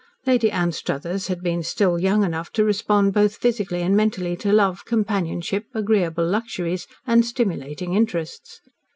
Lady Anstruthers had been still young enough to respond both physically and mentally to love, companionship, agreeable luxuries, and stimulating interests.